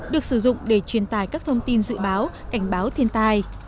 được sử dụng để truyền tài các thông tin dự báo cảnh báo thiên tai